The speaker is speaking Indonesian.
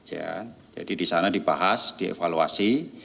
ya jadi di sana dibahas dievaluasi